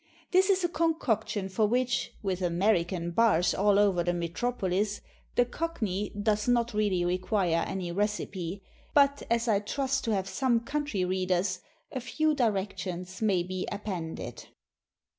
This is a concoction for which, with American bars all over the Metropolis, the cockney does not really require any recipe. But as I trust to have some country readers, a few directions may be appended.